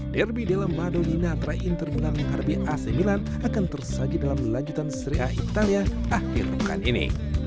derby della madonina tra interminal di rb ac milan akan tersaji dalam lanjutan serie a italia akhir rukan ini